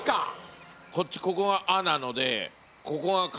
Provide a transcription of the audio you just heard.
ここが「あ」なのでここが「か」